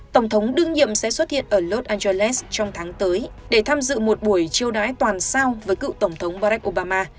tổng thống đương nhiệm sẽ xuất hiện ở los angeles trong tháng tới để tham dự một buổi chiêu đãi toàn sao với cựu tổng thống barack obama